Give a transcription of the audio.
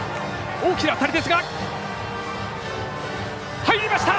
大きな当たりですが入りました。